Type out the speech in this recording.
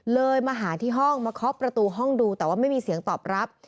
มาหาที่ห้องมาเคาะประตูห้องดูแต่ว่าไม่มีเสียงตอบรับ